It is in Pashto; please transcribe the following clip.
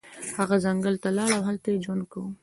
هغه ځنګل ته لاړ او هلته یې ژوند کاوه.